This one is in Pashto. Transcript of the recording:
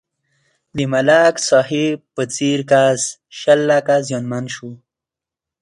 د ملک صاحب په څېر کس شل لکه زیانمن شو.